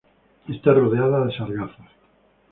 Está rodeada de sargazos..